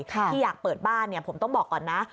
ที่อยากเปิดบ้านผมต้องบอกก่อนนะ